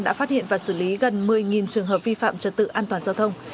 đã phát hiện và xử lý gần một mươi trường hợp vi phạm trật tự an toàn giao thông